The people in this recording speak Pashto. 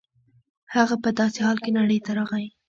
هغه په داسې حال کې نړۍ ته راغی